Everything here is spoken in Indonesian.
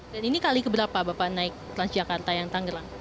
dan ini kali keberapa bapak naik transjakarta yang tangerang